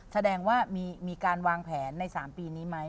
แสดงว่ามีการวางแผนใน๓ปีนี้ไหม